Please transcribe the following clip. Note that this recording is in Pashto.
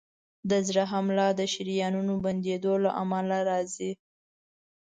د زړه حمله د شریانونو بندېدو له امله راځي.